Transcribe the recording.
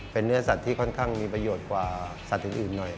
เป็นเนื้อสัตว์ที่ค่อนข้างมีประโยชน์กว่าสัตว์อื่นหน่อย